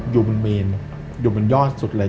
อยู่บนเมนอยู่บนยอดสุดเลย